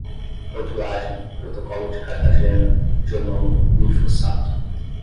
rotulagem, protocolo de cartagena, genoma, glifosato